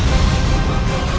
aku mau kesana